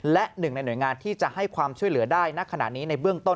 และหนึ่งในหน่วยงานที่จะให้ความช่วยเหลือได้ณขณะนี้ในเบื้องต้น